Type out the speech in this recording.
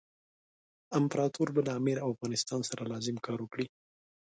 امپراطور به له امیر او افغانستان سره لازم کار وکړي.